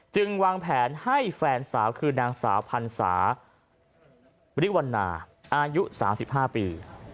วางแผนให้แฟนสาวคือนางสาวพันศาบริวัณาอายุ๓๕ปี